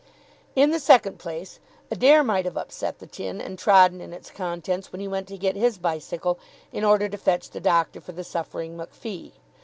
In the second place Adair might have upset the tin and trodden in its contents when he went to get his bicycle in order to fetch the doctor for the suffering MacPhee.